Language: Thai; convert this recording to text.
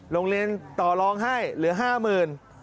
โรงเรียนต่อรองให้เหลือ๕๐๐๐บาท